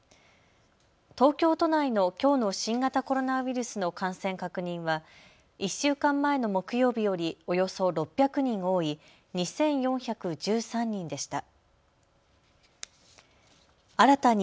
東京都内のきょうの新型コロナウイルスの感染確認は１週間前の木曜日よりおよそ６００人多い、２４１３人でした。